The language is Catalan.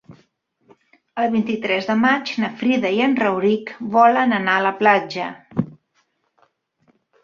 El vint-i-tres de maig na Frida i en Rauric volen anar a la platja.